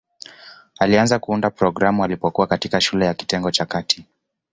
Alianza kuunda programu alipokuwa katikati shule ya kitengo cha kati.